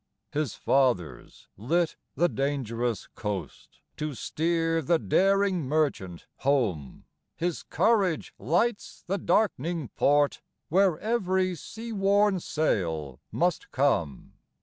His fathers lit the dangerous coast To steer the daring merchant home; His courage lights the dark'ning port Where every sea worn sail must come.